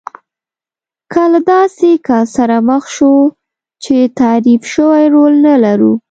که له داسې کس سره مخ شو چې تعریف شوی رول نه لرو.